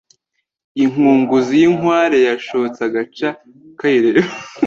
inkunguzi y'inkware yashotse agaca kayireba